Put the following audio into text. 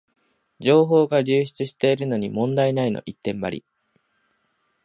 情報が流出してるのに問題ないの一点張り